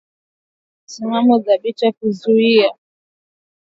Alisema jambo muhimu ni kuchukua msimamo thabiti na kuzuia